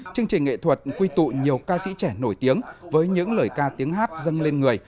chương trình nghệ thuật quy tụ nhiều ca sĩ trẻ nổi tiếng với những lời ca tiếng hát dâng lên người